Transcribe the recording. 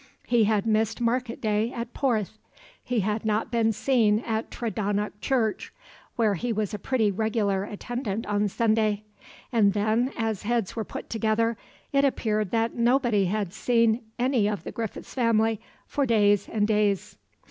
He had missed market day at Porth, he had not been at Tredonoc church, where he was a pretty regular attendant on Sunday; and then, as heads were put together, it appeared that nobody had seen any of the Griffith family for days and days.